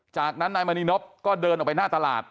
จากนั้นนายมณีนพก็เดินออกไปหน้าตลาด